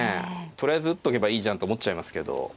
とりあえず打っとけばいいじゃんって思っちゃいますけど。